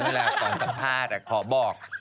ในเวลาก่อนสัมภาษณ์อะขอบอก